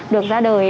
được ra đời